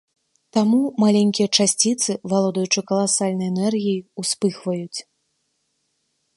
Таму маленькія часціцы, валодаючы каласальнай энергіяй, успыхваюць.